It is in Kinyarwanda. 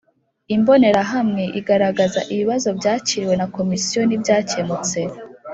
Imbonerahamwe igaragaza ibibazo byakiriwe na Komisiyo n ibyakemutse